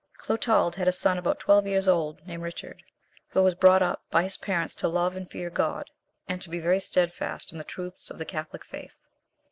Clotald had a son about twelve years old, named Richard, who was brought up by his parents to love and fear God, and to be very stedfast in the truths of the catholic faith.